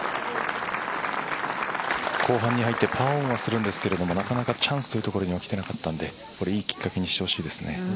後半に入ってパーオンをするんですがなかなかチャンスというところにはきていなかったので良いきっかけにしてほしいですね。